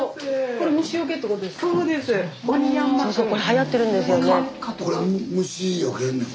これ虫よけんねん？